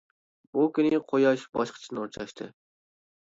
بۇ كۈنى قۇياش باشقىچە نۇر چاچتى.